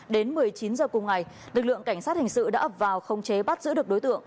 đến một mươi chín h cùng ngày lực lượng cảnh sát hình sự đã ập vào không chế bắt giữ được đối tượng